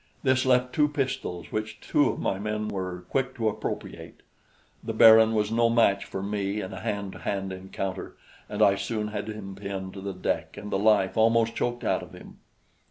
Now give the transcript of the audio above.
This left two pistols, which two of my own men were quick to appropriate. The Baron was no match for me in a hand to hand encounter, and I soon had him pinned to the deck and the life almost choked out of him.